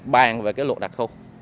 bàn về cái luật đặc khu